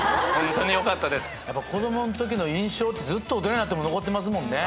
子供んときの印象ってずっと大人になっても残ってますもんね。